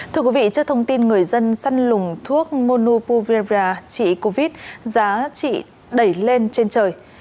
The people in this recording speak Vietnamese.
trước thông tin người dân săn lùng thuốc monopulvera trị covid giá trị đẩy lên trên trời